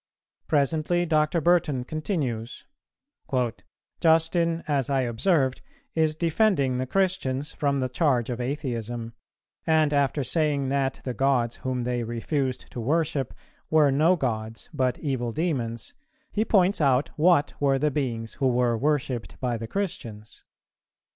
Presently Dr. Burton continues: "Justin, as I observed, is defending the Christians from the charge of Atheism; and after saying that the gods, whom they refused to worship, were no gods, but evil demons, he points out what were the Beings who were worshipped by the Christians.